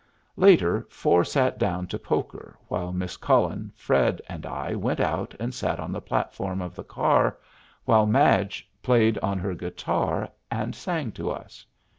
Later four sat down to poker, while Miss Cullen, Fred, and I went out and sat on the platform of the car while Madge played on her guitar and sang to us.